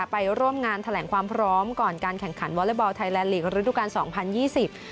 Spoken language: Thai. ไปร่วมงานแถลงความพร้อมก่อนการแข่งขันวอเล็กบอลไทยแลนดลีกระดูกาลสองพันยี่สิบ